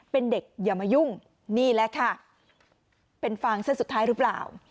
เป็นเด็กอย่ามายุ่งนี่แหละค่ะเป็นฟางเส้นสุดท้ายหรือเปล่า